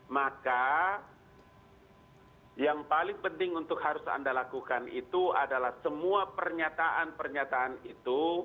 maka yang paling penting untuk harus anda lakukan itu adalah semua pernyataan pernyataan itu